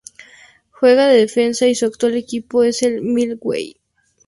Juega de defensa y su actual equipo es el Millwall.